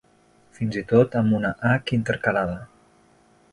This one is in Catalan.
Fins i tot amb una hac intercalada.